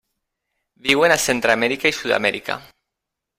Viuen a Centreamèrica i Sud-amèrica.